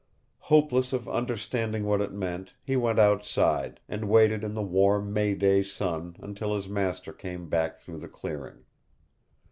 Hopeless of understanding what it meant, he went outside, and waited in the warm May day sun until his master came back through the clearing.